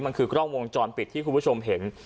มันคือกล้องวงจรปิดที่คุณผู้ชมเห็น